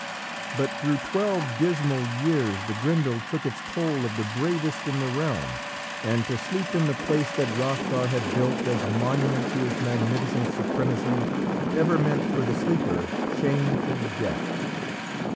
But through twelve dismal years the Grendel took its toll of the bravest in the realm, and to sleep in the place that Hrothgar had built as monument to his magnificent supremacy, ever meant, for the sleeper, shameful death.